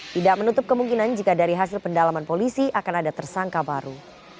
tidak menutup kemungkinan jika dari hasil pendalaman polisi akan ada tersangka baru